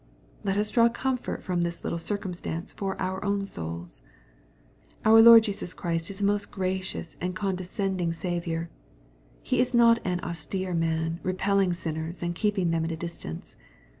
^(^ Let us draw comfort from this little circumstance for our own souls. \ Our Lord Jesus Christ is a most gracious and condescending Saviour. He is not an "austere man," repelling sinners, and keeping them at a distance.